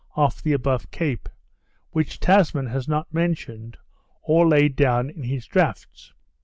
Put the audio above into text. off the above cape, which Tasman has not mentioned, or laid down in his draughts.